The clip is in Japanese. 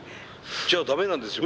じゃあ駄目なんですよ